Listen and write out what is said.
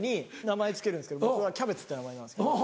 名前付けるんですけど僕はキャベツって名前なんですけど。